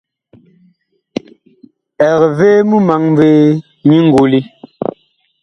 Eg vee mumaŋ vee nyi ngoli?